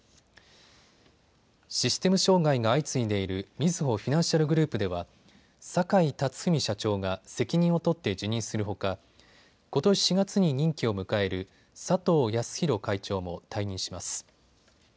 システム障害が相次いでいるみずほフィナンシャルグループでは坂井辰史社長が責任を取って辞任するほかことし４月に任期を迎える佐藤康博会長も退任します。